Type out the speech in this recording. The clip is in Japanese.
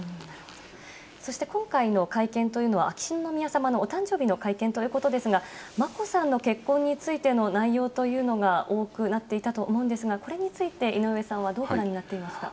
そして今回の会見というのは、秋篠宮さまのお誕生日の会見ということですが、眞子さんの結婚についての内容というのが多くなっていたと思うんですが、これについて、井上さんはどうご覧になっていますか。